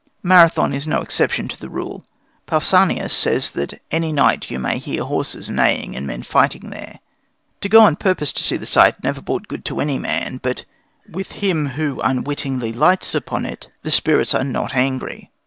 Marathon is no exception to the rule. Pausanias says that any night you may hear horses neighing and men fighting there. To go on purpose to see the sight never brought good to any man; but with him who unwittingly lights upon it the spirits are not angry.